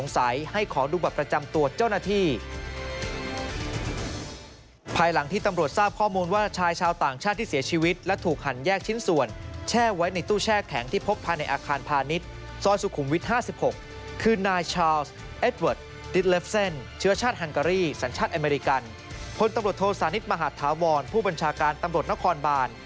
สารพิจารณาแล้วเห็นว่ามีเอกสารและหลักฐานซึ่งต้องใช้ดุลยภิกษา